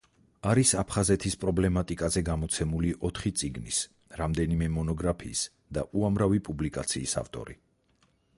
არის აფხაზეთის პრობლემატიკაზე გამოცემული ოთხი წიგნის, რამდენიმე მონოგრაფიის და უამრავი პუბლიკაციის ავტორი.